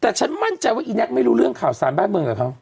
แต่ฉันมั่นใจว่าอีแน็กไม่รู้เรื่องข่าวสารบ้านเมืองกับเขา